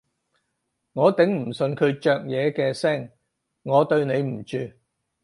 我頂唔順佢嚼嘢嘅聲，我對你唔住